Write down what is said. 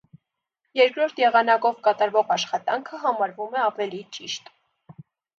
Երկրորդ եղանակով կատարվող աշխատանքը համարվում է ավելի ճիշտ։